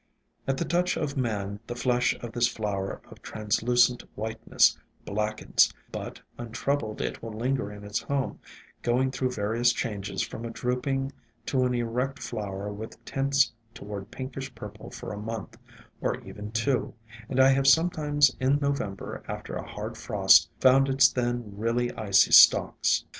At the touch of man the flesh of this flower of translucent whiteness blackens; but un troubled it will linger in its home, going through various changes from a drooping to an erect flower with tints toward pinkish purple for a month, or even two, and I have sometimes in November, after a hard frost, found its then really icy stalks.